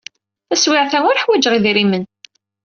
Taswiɛt-a, ur ḥwajeɣ idrimen.